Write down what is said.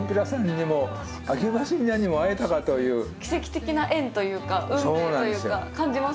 奇跡的な縁というか運命というか感じますよね。